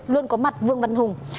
luôn có mặt vương văn hùng